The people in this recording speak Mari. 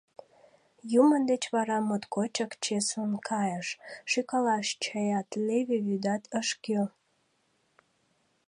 Йӱмӧ деч вара моткочак чеслын кайыш, шӱкалаш чаят, леве вӱдат ыш кӱл.